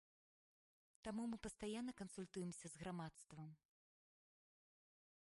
Таму мы пастаянна кансультуемся з грамадствам.